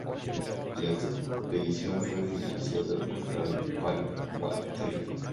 La expedición fue financiada por Harry Payne Whitney.